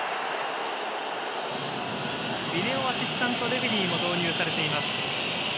ビデオアシスタントレフェリーも導入されています。